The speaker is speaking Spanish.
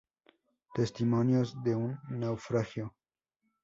Testimonios de un naufragio".